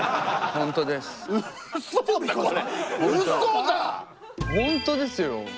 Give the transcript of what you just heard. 本当ですよ！